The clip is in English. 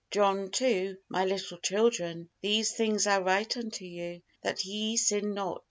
John ii: "My little children, these things I write unto you, that ye sin not.